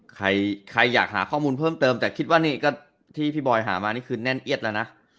ใครใครอยากหาข้อมูลเพิ่มเติมแต่คิดว่านี่ก็ที่พี่บอยหามานี่คือแน่นเอียดแล้วนะ